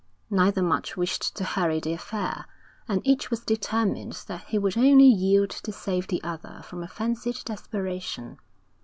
Neither much wished to hurry the affair, and each was determined that he would only yield to save the other from a fancied desperation.